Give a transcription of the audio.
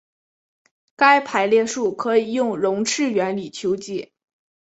该排列数可以用容斥原理求解。